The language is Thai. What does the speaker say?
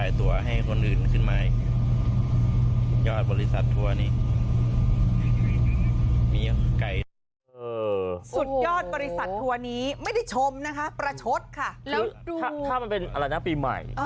ประชดค่ะแล้วดูถ้ามันเป็นอะละนะปีใหม่อ๋อ